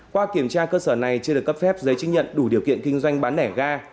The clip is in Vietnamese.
qua kiểm tra cơ sở này chưa được cấp phép giấy chứng nhận đủ điều kiện kinh doanh bán lẻ ga